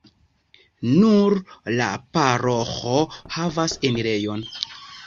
Nur la paroĥo havas enirejon.